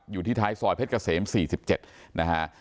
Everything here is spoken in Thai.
อยู่ที่ท้ายซอยเพชรเกษมสี่สิบเจ็ดนะฮะ